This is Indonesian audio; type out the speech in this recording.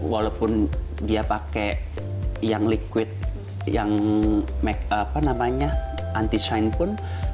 walaupun dia pakai yang liquid yang anti shine pun